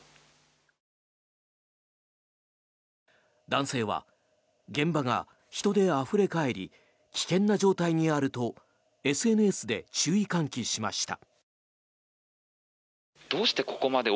男性は現場が人であふれ返り危険な状態にあるとＳＮＳで注意喚起しました。